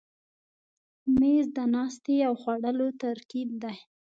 مېز د ناستې او خوړلو ترکیب دی.